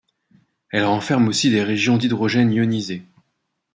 Elle renferme aussi des régions d'hydrogène ionisé.